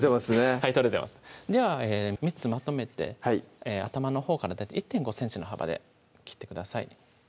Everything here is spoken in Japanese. はい取れてますでは３つまとめて頭のほうから大体１．５ｃｍの幅で切ってください